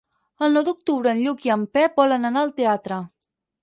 El nou d'octubre en Lluc i en Pep volen anar al teatre.